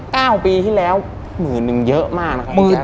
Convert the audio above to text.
เก้าปีที่แล้วหมื่นนึงเยอะมากนะครับ